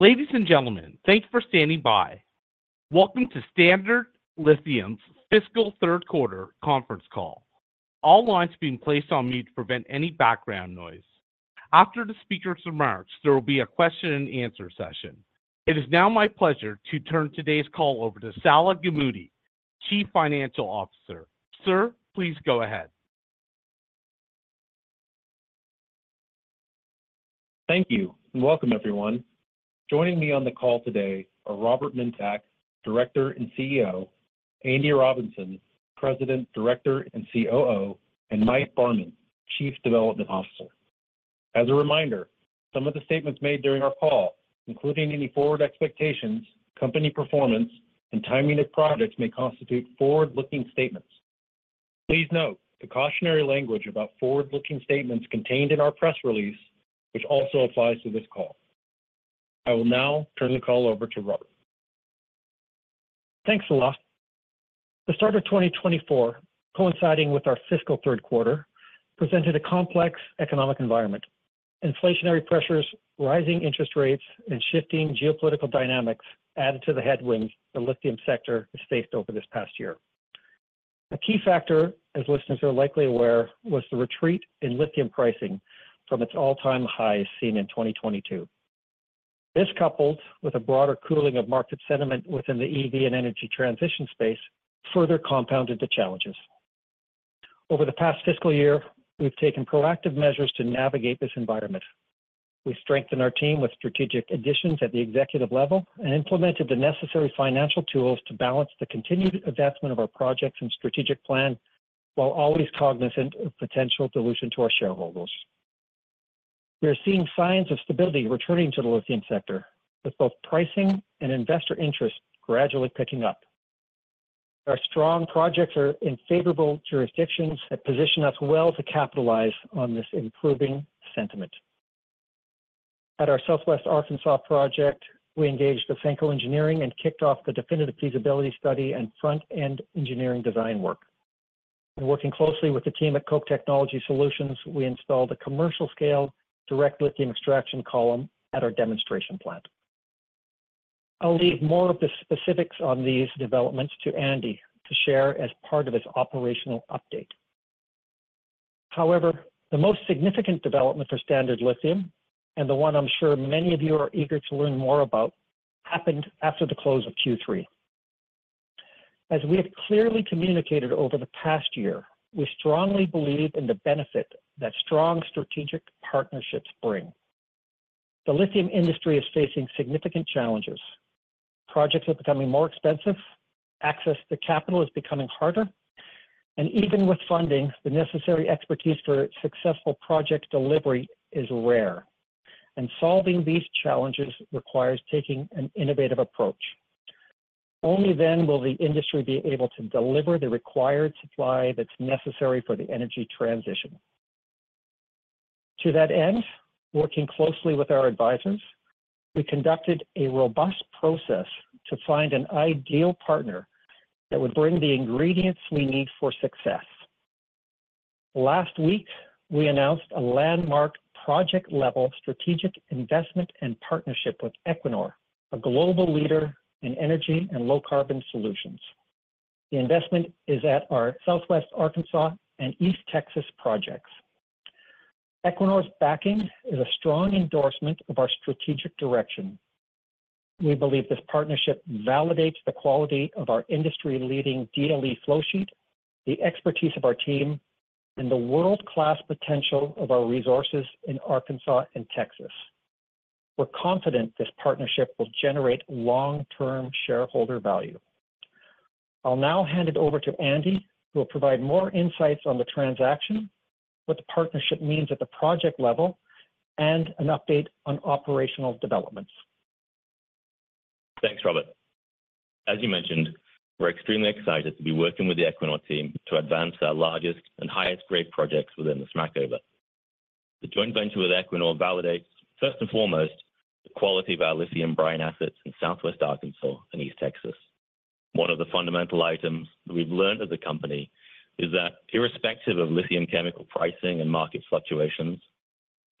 Ladies and gentlemen, thank you for standing by. Welcome to Standard Lithium's fiscal third quarter conference call. All lines are being placed on mute to prevent any background noise. After the speaker's remarks, there will be a question-and-answer session. It is now my pleasure to turn today's call over to Salah Gamoudi, Chief Financial Officer. Sir, please go ahead. Thank you, and welcome everyone. Joining me on the call today are Robert Mintak, Director and CEO, Andy Robinson, President, Director and COO, and Mike Barman, Chief Development Officer. As a reminder, some of the statements made during our call, including any forward expectations, company performance, and timing of projects, may constitute forward-looking statements. Please note the cautionary language about forward-looking statements contained in our press release, which also applies to this call. I will now turn the call over to Robert. Thanks, Salah. The start of 2024, coinciding with our fiscal third quarter, presented a complex economic environment: inflationary pressures, rising interest rates, and shifting geopolitical dynamics added to the headwinds the lithium sector has faced over this past year. A key factor, as listeners are likely aware, was the retreat in lithium pricing from its all-time highs seen in 2022. This, coupled with a broader cooling of market sentiment within the EV and energy transition space, further compounded the challenges. Over the past fiscal year, we've taken proactive measures to navigate this environment. We strengthened our team with strategic additions at the executive level and implemented the necessary financial tools to balance the continued advancement of our projects and strategic plan while always cognizant of potential dilution to our shareholders. We are seeing signs of stability returning to the lithium sector, with both pricing and investor interest gradually picking up. Our strong projects are in favorable jurisdictions that position us well to capitalize on this improving sentiment. At our Southwest Arkansas project, we engaged with Ausenco Engineering and kicked off the definitive feasibility study and front-end engineering design work. In working closely with the team at Koch Technology Solutions, we installed a commercial-scale direct lithium extraction column at our demonstration plant. I'll leave more of the specifics on these developments to Andy to share as part of his operational update. However, the most significant development for Standard Lithium, and the one I'm sure many of you are eager to learn more about, happened after the close of Q3. As we have clearly communicated over the past year, we strongly believe in the benefit that strong strategic partnerships bring. The lithium industry is facing significant challenges: projects are becoming more expensive, access to capital is becoming harder, and even with funding, the necessary expertise for successful project delivery is rare. Solving these challenges requires taking an innovative approach. Only then will the industry be able to deliver the required supply that's necessary for the energy transition. To that end, working closely with our advisors, we conducted a robust process to find an ideal partner that would bring the ingredients we need for success. Last week, we announced a landmark project-level strategic investment and partnership with Equinor, a global leader in energy and low-carbon solutions. The investment is at our Southwest Arkansas and East Texas projects. Equinor's backing is a strong endorsement of our strategic direction. We believe this partnership validates the quality of our industry-leading DLE flowsheet, the expertise of our team, and the world-class potential of our resources in Arkansas and Texas. We're confident this partnership will generate long-term shareholder value. I'll now hand it over to Andy, who will provide more insights on the transaction, what the partnership means at the project level, and an update on operational developments. Thanks, Robert. As you mentioned, we're extremely excited to be working with the Equinor team to advance our largest and highest-grade projects within the Smackover Formation. The joint venture with Equinor validates, first and foremost, the quality of our lithium brine assets in Southwest Arkansas and East Texas. One of the fundamental items that we've learned as a company is that, irrespective of lithium chemical pricing and market fluctuations,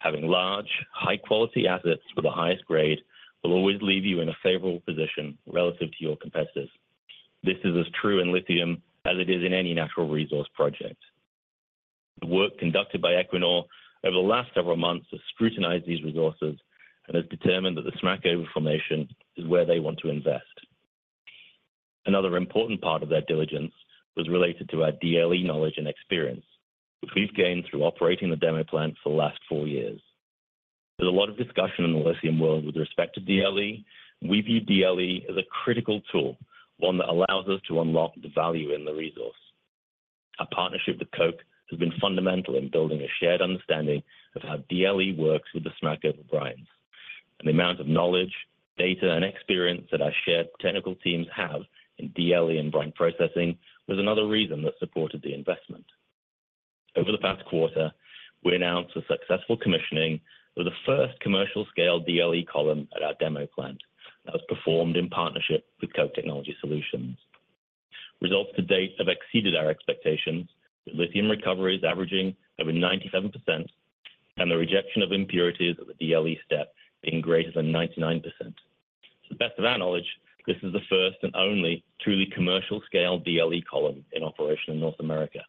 having large, high-quality assets with the highest grade will always leave you in a favorable position relative to your competitors. This is as true in lithium as it is in any natural resource project. The work conducted by Equinor over the last several months has scrutinized these resources and has determined that the Smackover Formation is where they want to invest. Another important part of their diligence was related to our DLE knowledge and experience, which we've gained through operating the demo plant for the last four years. There's a lot of discussion in the lithium world with respect to DLE. We view DLE as a critical tool, one that allows us to unlock the value in the resource. Our partnership with Koch has been fundamental in building a shared understanding of how DLE works with the Smackover brines. And the amount of knowledge, data, and experience that our shared technical teams have in DLE and brine processing was another reason that supported the investment. Over the past quarter, we announced the successful commissioning of the first commercial-scale DLE column at our demo plant that was performed in partnership with Koch Technology Solutions. Results to date have exceeded our expectations, with lithium recoveries averaging over 97% and the rejection of impurities at the DLE step being greater than 99%. To the best of our knowledge, this is the first and only truly commercial-scale DLE column in operation in North America.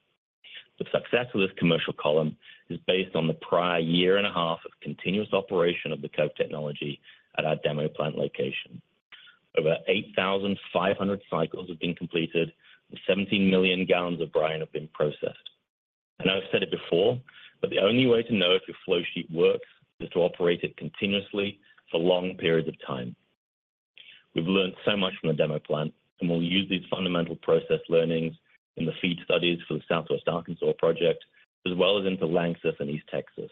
The success of this commercial column is based on the prior year and a half of continuous operation of the Koch Technology at our demo plant location. Over 8,500 cycles have been completed, and 17 million gallons of brine have been processed. And I've said it before, but the only way to know if your flowsheet works is to operate it continuously for long periods of time. We've learned so much from the demo plant, and we'll use these fundamental process learnings in the FEED studies for the Southwest Arkansas project, as well as into LANXESS and East Texas.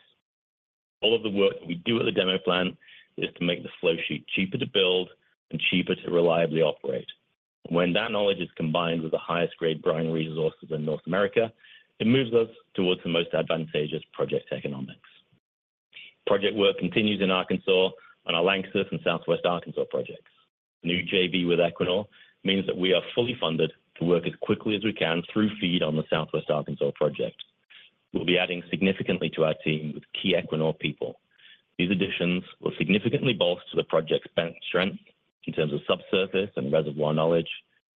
All of the work that we do at the demo plant is to make the flowsheet cheaper to build and cheaper to reliably operate. And when that knowledge is combined with the highest-grade brine resources in North America, it moves us towards the most advantageous project economics. Project work continues in Arkansas on our LANXESS and Southwest Arkansas projects. The new JV with Equinor means that we are fully funded to work as quickly as we can through FEED on the Southwest Arkansas project. We'll be adding significantly to our team with key Equinor people. These additions will significantly bolster the project's strengths in terms of subsurface and reservoir knowledge,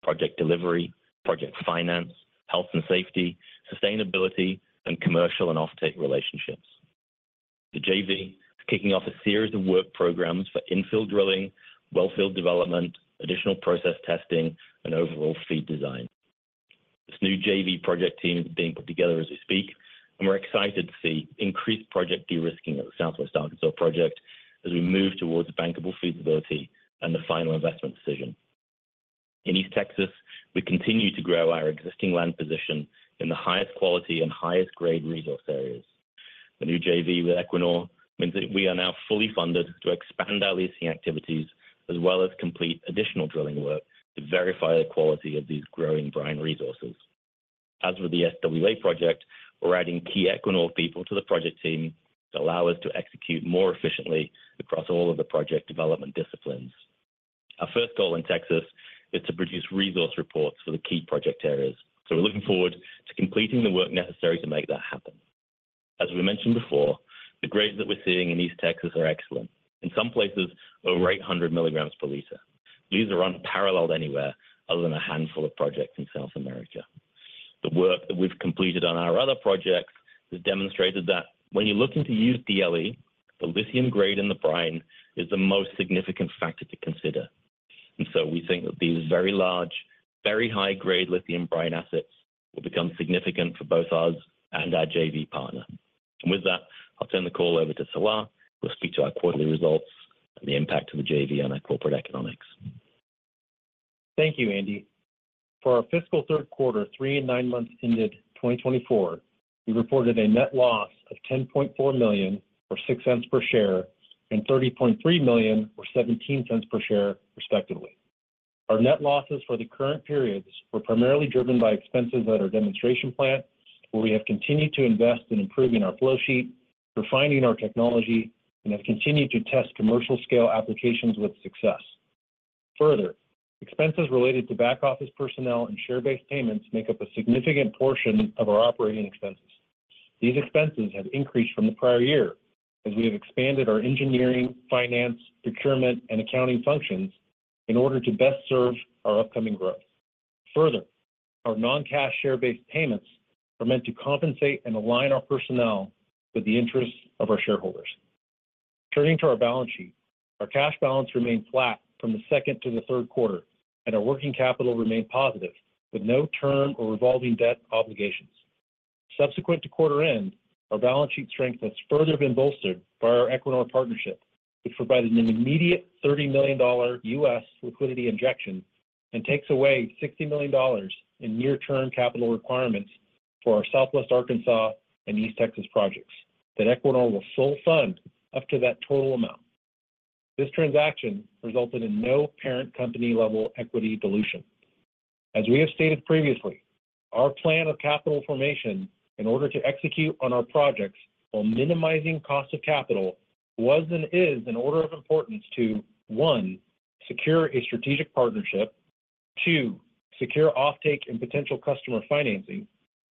project delivery, project finance, health and safety, sustainability, and commercial and offtake relationships. The JV is kicking off a series of work programs for infill drilling, wellfield development, additional process testing, and overall FEED design. This new JV project team is being put together as we speak, and we're excited to see increased project de-risking at the Southwest Arkansas project as we move towards bankable feasibility and the final investment decision. In East Texas, we continue to grow our existing land position in the highest quality and highest-grade resource areas. The new JV with Equinor means that we are now fully funded to expand our leasing activities as well as complete additional drilling work to verify the quality of these growing brine resources. As with the SWA project, we're adding key Equinor people to the project team to allow us to execute more efficiently across all of the project development disciplines. Our first goal in Texas is to produce resource reports for the key project areas. So we're looking forward to completing the work necessary to make that happen. As we mentioned before, the grades that we're seeing in East Texas are excellent. In some places, over 800 milligrams per liter. These are unparalleled anywhere other than a handful of projects in South America. The work that we've completed on our other projects has demonstrated that when you look into use DLE, the lithium grade in the brine is the most significant factor to consider. And so we think that these very large, very high-grade lithium brine assets will become significant for both us and our JV partner. And with that, I'll turn the call over to Salah, who will speak to our quarterly results and the impact of the JV on our corporate economics. Thank you, Andy. For our fiscal third quarter, three and nine months ended 2024, we reported a net loss of $10.4 million or $0.06 per share and $30.3 million or $0.17 per share, respectively. Our net losses for the current periods were primarily driven by expenses at our demonstration plant, where we have continued to invest in improving our flowsheet, refining our technology, and have continued to test commercial-scale applications with success. Further, expenses related to back-office personnel and share-based payments make up a significant portion of our operating expenses. These expenses have increased from the prior year as we have expanded our engineering, finance, procurement, and accounting functions in order to best serve our upcoming growth. Further, our non-cash share-based payments are meant to compensate and align our personnel with the interests of our shareholders. Turning to our balance sheet, our cash balance remained flat from the second to the third quarter, and our working capital remained positive with no term or revolving debt obligations. Subsequent to quarter-end, our balance sheet strength has further been bolstered by our Equinor partnership, which provided an immediate $30 million liquidity injection and takes away $60 million in near-term capital requirements for our Southwest Arkansas and East Texas projects. That Equinor will fully fund up to that total amount. This transaction resulted in no parent company-level equity dilution. As we have stated previously, our plan of capital formation in order to execute on our projects while minimizing cost of capital was and is in order of importance to, one, secure a strategic partnership, two, secure offtake and potential customer financing,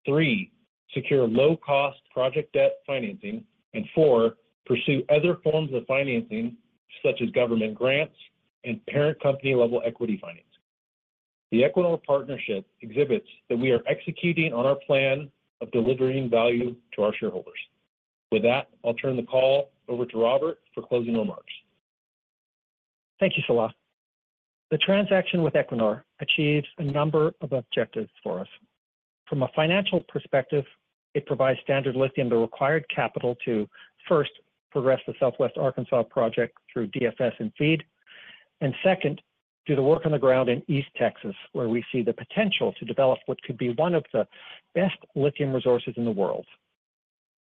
three, secure low-cost project debt financing, and four, pursue other forms of financing such as government grants and parent company-level equity financing. The Equinor partnership exhibits that we are executing on our plan of delivering value to our shareholders. With that, I'll turn the call over to Robert for closing remarks. Thank you, Salah. The transaction with Equinor achieves a number of objectives for us. From a financial perspective, it provides Standard Lithium the required capital to, first, progress the Southwest Arkansas project through DFS and FEED, and second, do the work on the ground in East Texas, where we see the potential to develop what could be one of the best lithium resources in the world.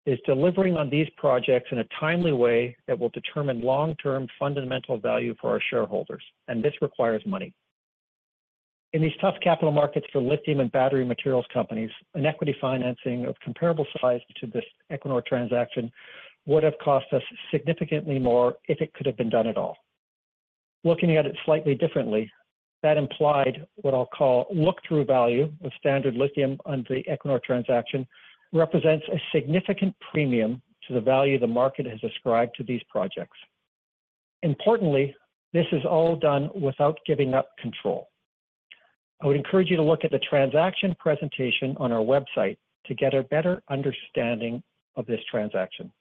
It's delivering on these projects in a timely way that will determine long-term fundamental value for our shareholders. And this requires money. In these tough capital markets for lithium and battery materials companies, an equity financing of comparable size to this Equinor transaction would have cost us significantly more if it could have been done at all. Looking at it slightly differently, that implied what I'll call look-through value of Standard Lithium under the Equinor transaction represents a significant premium to the value the market has ascribed to these projects. Importantly, this is all done without giving up control. I would encourage you to look at the transaction presentation on our website to get a better understanding of this transaction.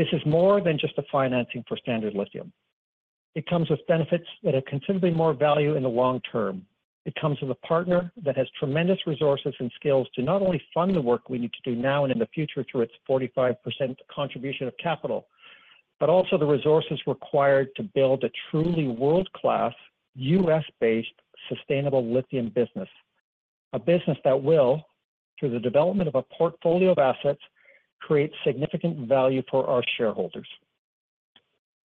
This is more than just a financing for Standard Lithium. It comes with benefits that have considerably more value in the long term. It comes with a partner that has tremendous resources and skills to not only fund the work we need to do now and in the future through its 45% contribution of capital, but also the resources required to build a truly world-class, U.S.-based sustainable lithium business. A business that will, through the development of a portfolio of assets, create significant value for our shareholders.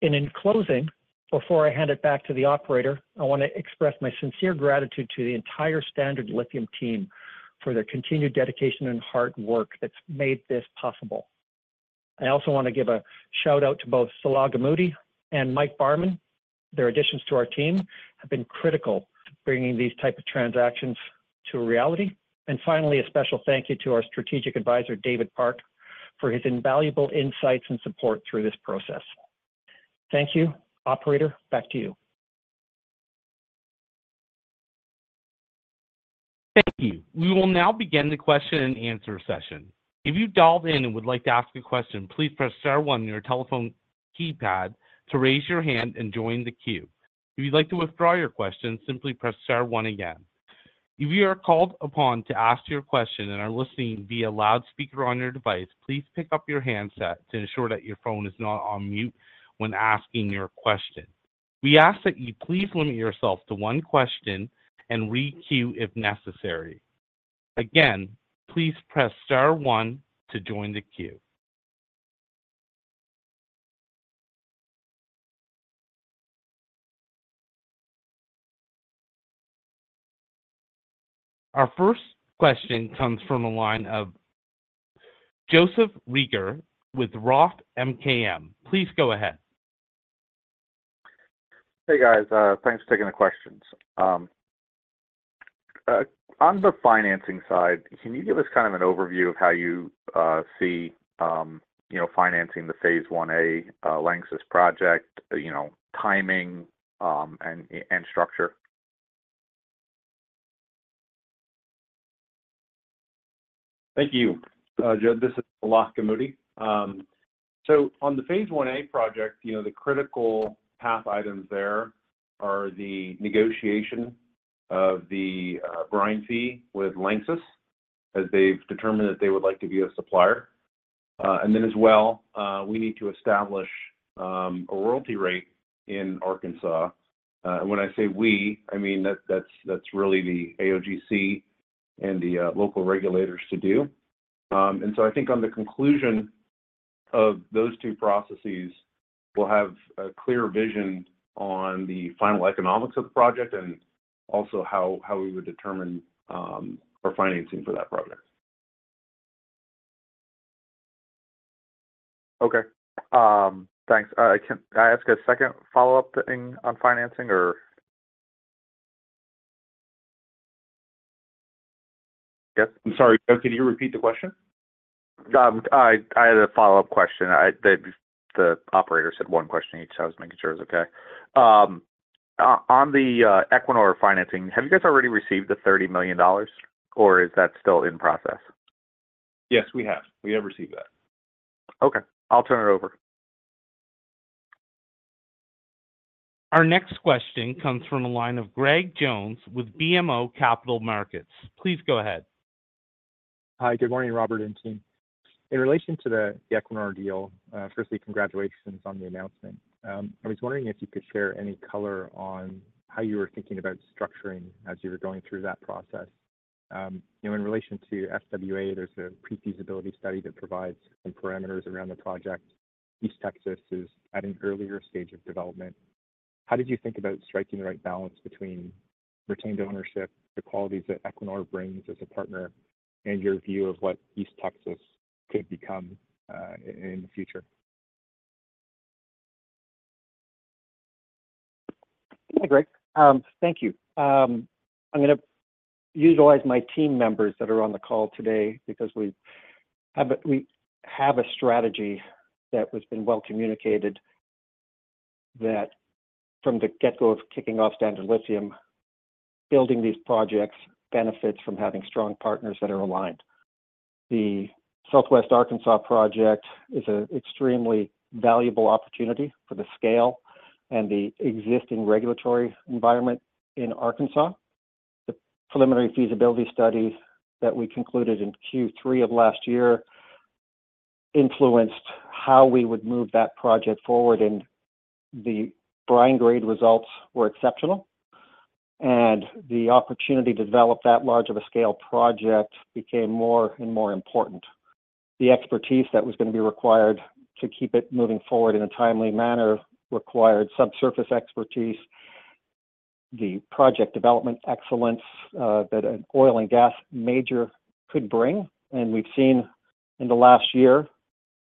In closing, before I hand it back to the operator, I want to express my sincere gratitude to the entire Standard Lithium team for their continued dedication and hard work that's made this possible. I also want to give a shout-out to both Salah Gamoudi and Mike Barman. Their additions to our team have been critical to bringing these types of transactions to reality. Finally, a special thank you to our Strategic Advisor, David Park, for his invaluable insights and support through this process. Thank you, operator. Back to you. Thank you. We will now begin the question-and-answer session. If you've dialed in and would like to ask a question, please press star one on your telephone keypad to raise your hand and join the queue. If you'd like to withdraw your question, simply press star one again. If you are called upon to ask your question and are listening via loudspeaker on your device, please pick up your handset to ensure that your phone is not on mute when asking your question. We ask that you please limit yourself to one question and re-queue if necessary. Again, please press star one to join the queue. Our first question comes from a line of Joseph Reagor with Roth MKM. Please go ahead. Hey, guys. Thanks for taking the questions. On the financing side, can you give us kind of an overview of how you see financing the Phase 1A LANXESS project, timing, and structure? Thank you, Joseph. This is Salah Gamoudi. So on the Phase 1A project, the critical path items there are the negotiation of the brine fee with LANXESS as they've determined that they would like to be a supplier. And then as well, we need to establish a royalty rate in Arkansas. And when I say we, I mean that's really the AOGC and the local regulators to do. And so I think on the conclusion of those two processes, we'll have a clear vision on the final economics of the project and also how we would determine our financing for that project. Okay. Thanks. Can I ask a second follow-up thing on financing, or? Yes? I'm sorry, Joseph. Can you repeat the question? I had a follow-up question. The operator said one question each. I was making sure it was okay. On the Equinor financing, have you guys already received the $30 million, or is that still in process? Yes, we have. We have received that. Okay. I'll turn it over. Our next question comes from a line of Greg Jones with BMO Capital Markets. Please go ahead. Hi. Good morning, Robert and team. In relation to the Equinor deal, firstly, congratulations on the announcement. I was wondering if you could share any color on how you were thinking about structuring as you were going through that process. In relation to SWA, there's a pre-feasibility study that provides some parameters around the project. East Texas is at an earlier stage of development. How did you think about striking the right balance between retained ownership, the qualities that Equinor brings as a partner, and your view of what East Texas could become in the future? Yeah, Greg. Thank you. I'm going to utilize my team members that are on the call today because we have a strategy that has been well-communicated that, from the get-go of kicking off Standard Lithium, building these projects benefits from having strong partners that are aligned. The Southwest Arkansas project is an extremely valuable opportunity for the scale and the existing regulatory environment in Arkansas. The preliminary feasibility study that we concluded in Q3 of last year influenced how we would move that project forward, and the brine grade results were exceptional. The opportunity to develop that large of a scale project became more and more important. The expertise that was going to be required to keep it moving forward in a timely manner required subsurface expertise, the project development excellence that an oil and gas major could bring. We've seen in the last year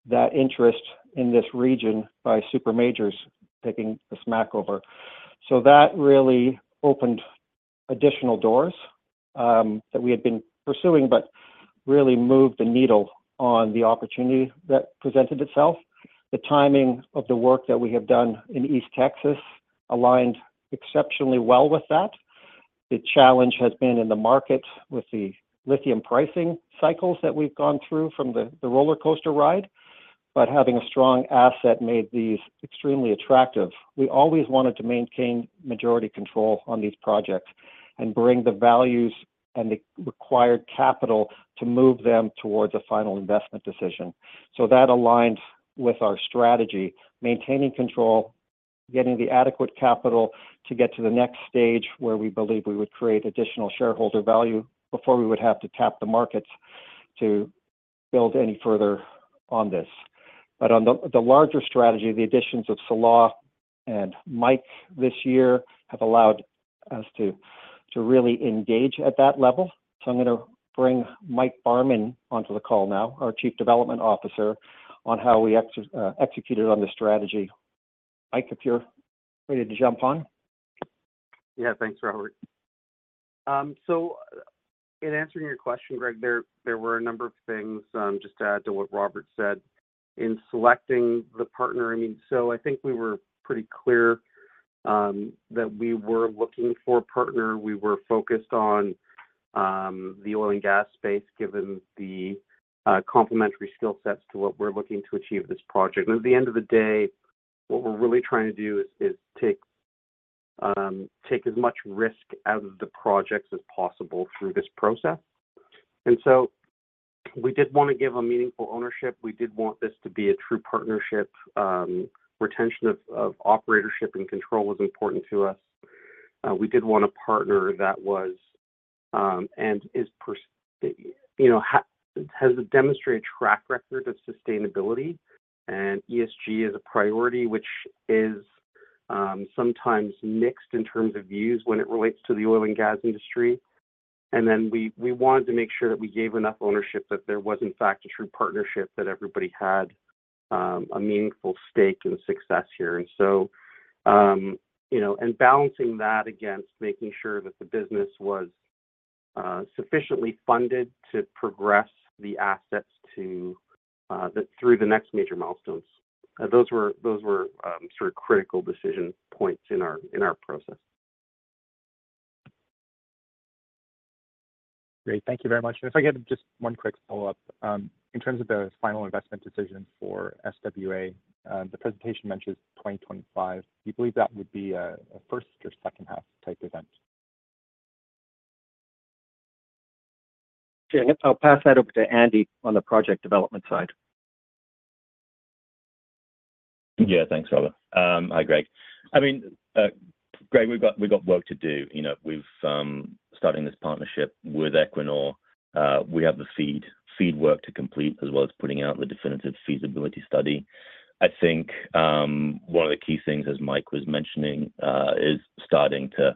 that interest in this region by super majors taking a Smackover. That really opened additional doors that we had been pursuing but really moved the needle on the opportunity that presented itself. The timing of the work that we have done in East Texas aligned exceptionally well with that. The challenge has been in the market with the lithium pricing cycles that we've gone through from the roller coaster ride. Having a strong asset made these extremely attractive. We always wanted to maintain majority control on these projects and bring the values and the required capital to move them towards a final investment decision. So that aligned with our strategy: maintaining control, getting the adequate capital to get to the next stage where we believe we would create additional shareholder value before we would have to tap the markets to build any further on this. But on the larger strategy, the additions of Salah and Mike this year have allowed us to really engage at that level. So I'm going to bring Mike Barman onto the call now, our Chief Development Officer, on how we executed on the strategy. Mike, if you're ready to jump on. Yeah. Thanks, Robert. So in answering your question, Greg, there were a number of things just to add to what Robert said in selecting the partner. I mean, so I think we were pretty clear that we were looking for a partner. We were focused on the oil and gas space given the complementary skill sets to what we're looking to achieve this project. And at the end of the day, what we're really trying to do is take as much risk out of the projects as possible through this process. And so we did want to give them meaningful ownership. We did want this to be a true partnership. Retention of operatorship and control was important to us. We did want a partner that was and is has demonstrated a track record of sustainability. ESG is a priority, which is sometimes mixed in terms of views when it relates to the oil and gas industry. Then we wanted to make sure that we gave enough ownership that there was, in fact, a true partnership, that everybody had a meaningful stake in success here. So, balancing that against making sure that the business was sufficiently funded to progress the assets through the next major milestones. Those were sort of critical decision points in our process. Great. Thank you very much. If I could just one quick follow-up. In terms of the final investment decision for SWA, the presentation mentions 2025. Do you believe that would be a first or second-half type event? Sure. I'll pass that over to Andy on the project development side. Yeah. Thanks, Robert. Hi, Greg. I mean, Greg, we've got work to do. We've started this partnership with Equinor. We have the FEED work to complete as well as putting out the definitive feasibility study. I think one of the key things, as Mike was mentioning, is starting to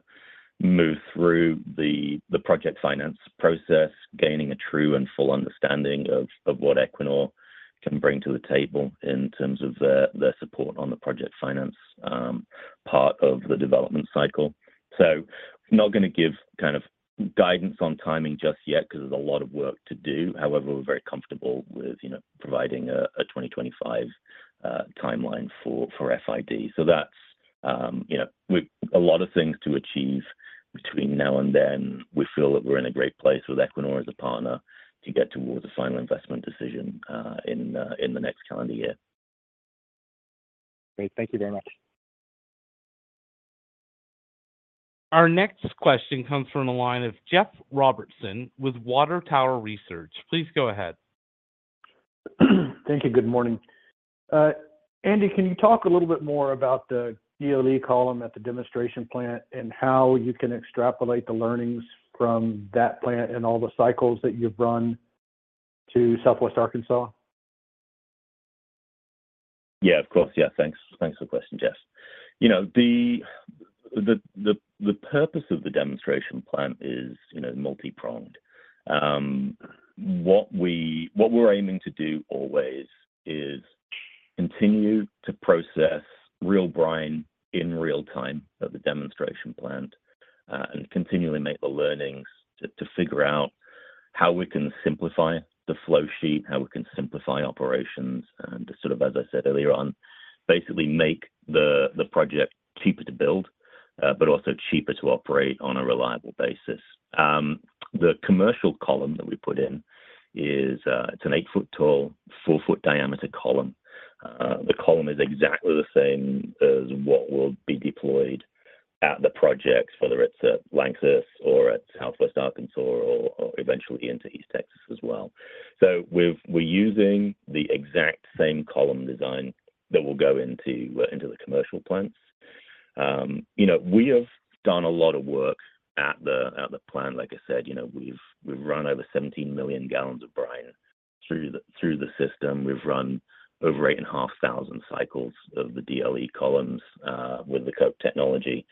move through the project finance process, gaining a true and full understanding of what Equinor can bring to the table in terms of their support on the project finance part of the development cycle. So I'm not going to give kind of guidance on timing just yet because there's a lot of work to do. However, we're very comfortable with providing a 2025 timeline for FID. So that's a lot of things to achieve between now and then. We feel that we're in a great place with Equinor as a partner to get towards a final investment decision in the next calendar year. Great. Thank you very much. Our next question comes from a line of Jeff Robertson with Water Tower Research. Please go ahead. Thank you. Good morning. Andy, can you talk a little bit more about the DLE column at the demonstration plant and how you can extrapolate the learnings from that plant and all the cycles that you've run to Southwest Arkansas? Yeah, of course. Yeah. Thanks for the question, Jeff. The purpose of the demonstration plant is multipronged. What we're aiming to do always is continue to process real brine in real time at the demonstration plant and continually make the learnings to figure out how we can simplify the flowsheet, how we can simplify operations, and sort of, as I said earlier on, basically make the project cheaper to build but also cheaper to operate on a reliable basis. The commercial column that we put in, it's an 8-foot tall, 4-foot diameter column. The column is exactly the same as what will be deployed at the projects, whether it's at LANXESS or at Southwest Arkansas or eventually into East Texas as well. So we're using the exact same column design that will go into the commercial plants. We have done a lot of work at the plant. Like I said, we've run over 17 million gallons of brine through the system. We've run over 8,500 cycles of the DLE columns with the Koch technology.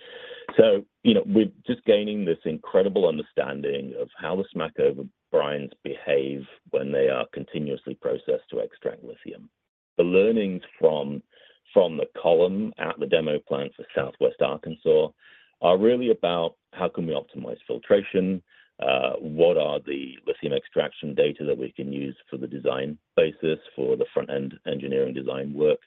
So we're just gaining this incredible understanding of how the Smackover brines behave when they are continuously processed to extract lithium. The learnings from the column at the demo plant for Southwest Arkansas are really about how can we optimize filtration, what are the lithium extraction data that we can use for the design basis, for the front-end engineering design work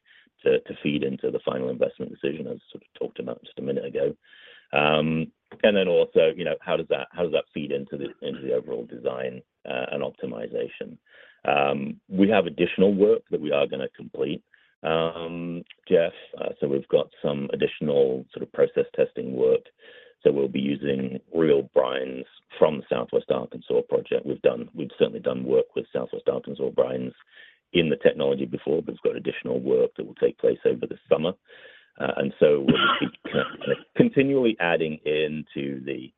to feed into the final investment decision, as sort of talked about just a minute ago, and then also how does that feed into the overall design and optimization. We have additional work that we are going to complete, Jeff. So we've got some additional sort of process testing work. So we'll be using real brines from the Southwest Arkansas project. We've certainly done work with Southwest Arkansas brines in the technology before, but we've got additional work that will take place over the summer. So we'll be continually adding into the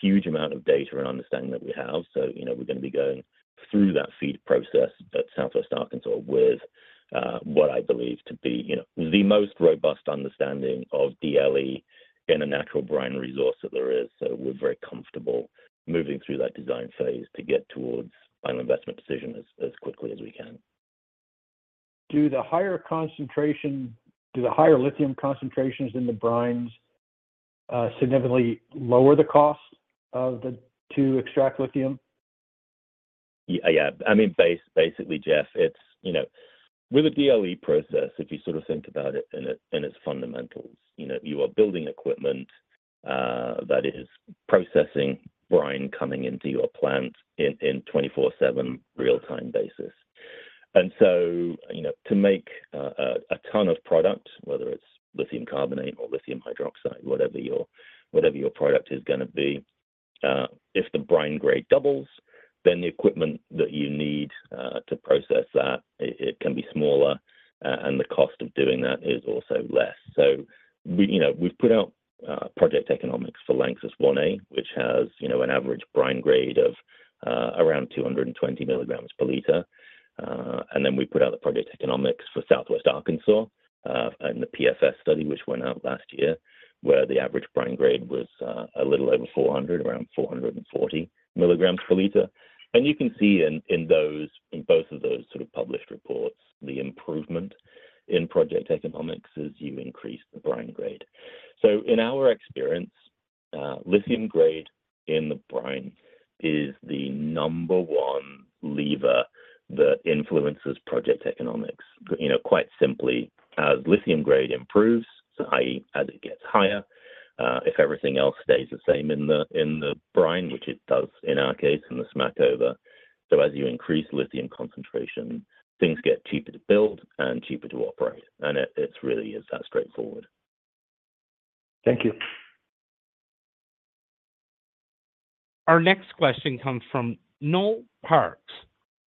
huge amount of data and understanding that we have. So we're going to be going through that FEED process at Southwest Arkansas with what I believe to be the most robust understanding of DLE in a natural brine resource that there is. So we're very comfortable moving through that design phase to get towards final investment decision as quickly as we can. Do the higher lithium concentrations in the brines significantly lower the cost to extract lithium? Yeah. I mean, basically, Jeff, with a DLE process, if you sort of think about it in its fundamentals, you are building equipment that is processing brine coming into your plant in a 24/7 real-time basis. And so to make a ton of product, whether it's lithium carbonate or lithium hydroxide, whatever your product is going to be, if the brine grade doubles, then the equipment that you need to process that, it can be smaller, and the cost of doing that is also less. So we've put out project economics for LANXESS 1A, which has an average brine grade of around 220 milligrams per liter. And then we put out the project economics for Southwest Arkansas and the PFS study, which went out last year, where the average brine grade was a little over 400, around 440 milligrams per liter. You can see in both of those sort of published reports, the improvement in project economics as you increase the brine grade. So in our experience, lithium grade in the brine is the number one lever that influences project economics, quite simply, as lithium grade improves, i.e., as it gets higher. If everything else stays the same in the brine, which it does in our case in the Smackover. So as you increase lithium concentration, things get cheaper to build and cheaper to operate. And it really is that straightforward. Thank you. Our next question comes from Noel Parks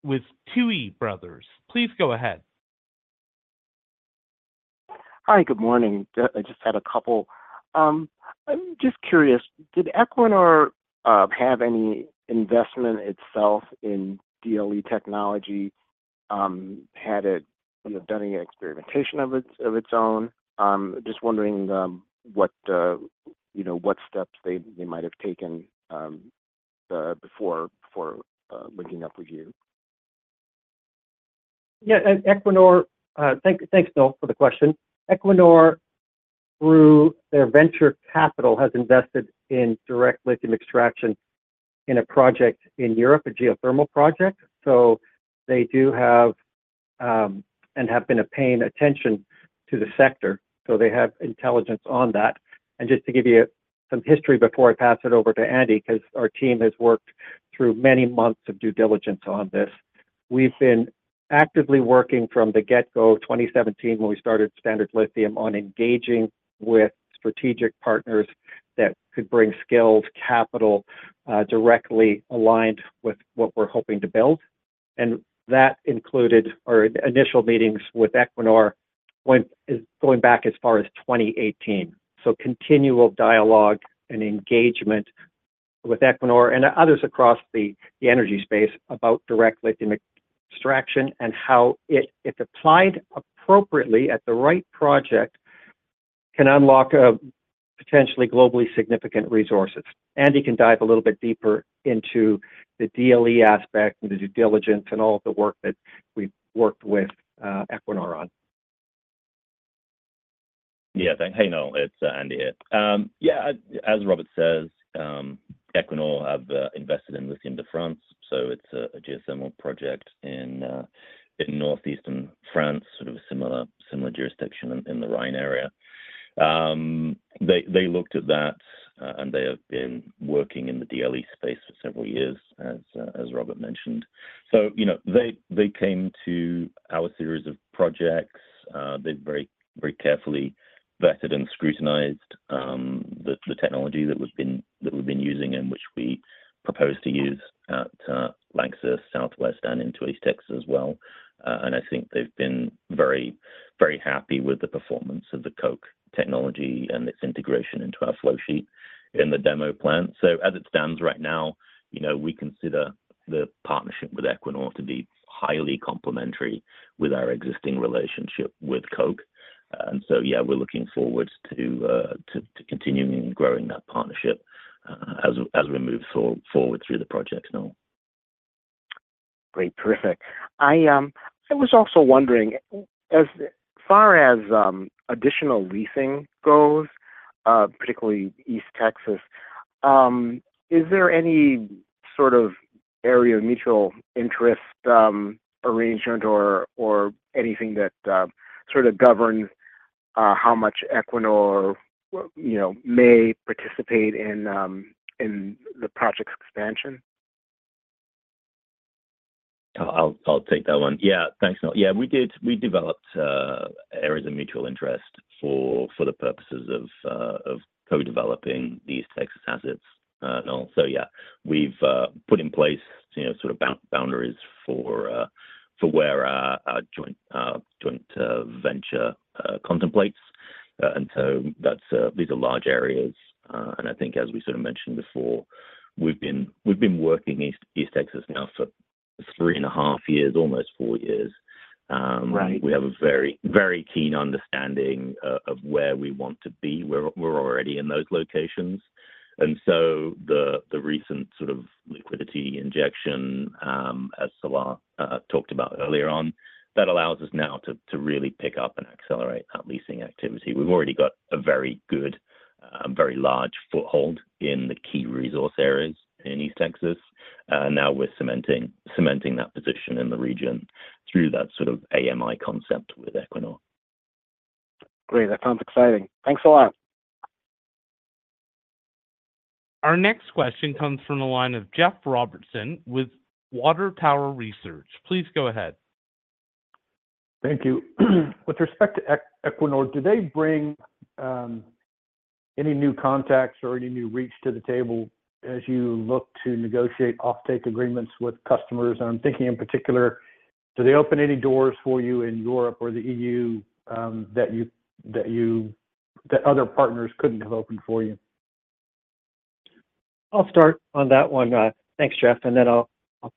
with Tuohy Brothers. Please go ahead. Hi. Good morning. I just had a couple. I'm just curious, did Equinor have any investment itself in DLE technology, done any experimentation of its own? Just wondering what steps they might have taken before linking up with you. Yeah. Thanks, Noel, for the question. Equinor, through their venture capital, has invested in direct lithium extraction in a project in Europe, a geothermal project. So they do have and have been paying attention to the sector. So they have intelligence on that. And just to give you some history before I pass it over to Andy because our team has worked through many months of due diligence on this, we've been actively working from the get-go, 2017, when we started Standard Lithium, on engaging with strategic partners that could bring skills, capital directly aligned with what we're hoping to build. And that included our initial meetings with Equinor going back as far as 2018. So continual dialogue and engagement with Equinor and others across the energy space about direct lithium extraction and how it, if applied appropriately at the right project, can unlock potentially globally significant resources. Andy can dive a little bit deeper into the DLE aspect and the due diligence and all of the work that we've worked with Equinor on. Yeah. Hey, Noel. It's Andy here. Yeah. As Robert says, Equinor have invested in Lithium de France. So it's a geothermal project in northeastern France, sort of a similar jurisdiction in the Rhine area. They looked at that, and they have been working in the DLE space for several years, as Robert mentioned. So they came to our series of projects. They've very carefully vetted and scrutinized the technology that we've been using and which we propose to use at LANXESS Southwest and into East Texas as well. And I think they've been very happy with the performance of the Koch technology and its integration into our flowsheet in the demo plant. So as it stands right now, we consider the partnership with Equinor to be highly complementary with our existing relationship with Koch. And so, yeah, we're looking forward to continuing and growing that partnership as we move forward through the projects, Noel. Great. Terrific. I was also wondering, as far as additional leasing goes, particularly East Texas, is there any sort of area of mutual interest arrangement or anything that sort of governs how much Equinor may participate in the project's expansion? I'll take that one. Yeah. Thanks, Noel. Yeah. We developed areas of mutual interest for the purposes of co-developing the East Texas assets, Noel. So yeah, we've put in place sort of boundaries for where our joint venture contemplates. And so these are large areas. And I think, as we sort of mentioned before, we've been working East Texas now for 3.5 years, almost four years. We have a very keen understanding of where we want to be. We're already in those locations. And so the recent sort of liquidity injection, as Salah talked about earlier on, that allows us now to really pick up and accelerate that leasing activity. We've already got a very good, very large foothold in the key resource areas in East Texas. Now we're cementing that position in the region through that sort of AMI concept with Equinor. Great. That sounds exciting. Thanks, Salah. Our next question comes from a line of Jeff Robertson with Water Tower Research. Please go ahead. Thank you. With respect to Equinor, do they bring any new contacts or any new reach to the table as you look to negotiate offtake agreements with customers? And I'm thinking, in particular, do they open any doors for you in Europe or the EU that other partners couldn't have opened for you? I'll start on that one. Thanks, Jeff. And then I'll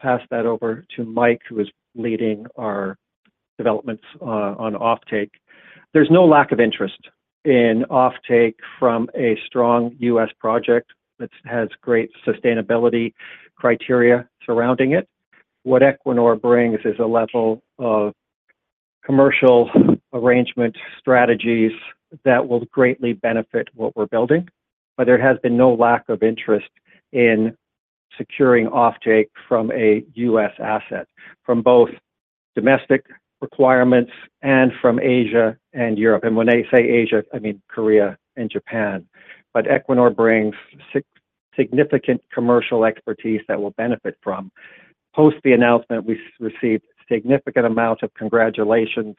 pass that over to Mike, who is leading our developments on offtake. There's no lack of interest in offtake from a strong U.S. project that has great sustainability criteria surrounding it. What Equinor brings is a level of commercial arrangement strategies that will greatly benefit what we're building. But there has been no lack of interest in securing offtake from a U.S. asset, from both domestic requirements and from Asia and Europe. And when I say Asia, I mean Korea and Japan. But Equinor brings significant commercial expertise that we'll benefit from. Post the announcement, we received a significant amount of congratulations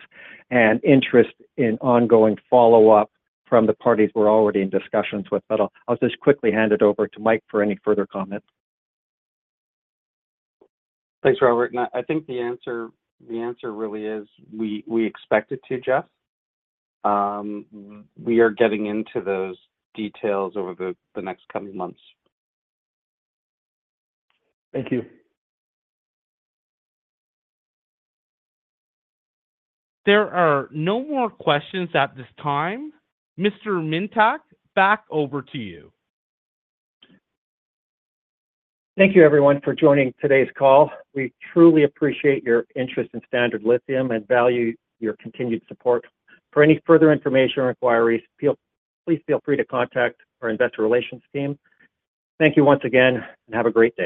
and interest in ongoing follow-up from the parties we're already in discussions with. But I'll just quickly hand it over to Mike for any further comments. Thanks, Robert. I think the answer really is we expect it to, Jeff. We are getting into those details over the next coming months. Thank you. There are no more questions at this time. Mr. Mintak, back over to you. Thank you, everyone, for joining today's call. We truly appreciate your interest in Standard Lithium and value your continued support. For any further information or inquiries, please feel free to contact our investor relations team. Thank you once again, and have a great day.